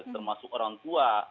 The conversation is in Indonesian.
termasuk orang tua